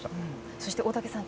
そして大竹さん